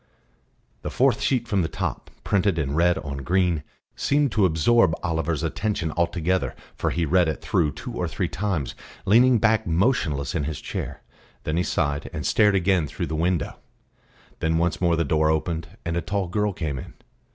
The fourth sheet from the top, printed in red on green, seemed to absorb Oliver's attention altogether, for he read it through two or three times, leaning back motionless in his chair. Then he sighed, and stared again through the window. Then once more the door opened, and a tall girl came in.